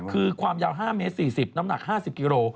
คือความยาว๕เมตร๔๐น้ำหนัก๕๐กิโล